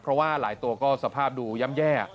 เพราะว่าหลายตัวก็สภาพดูย่ำแย่